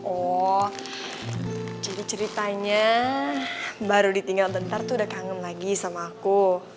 oh jadi ceritanya baru ditinggal bentar tuh udah kangen lagi sama aku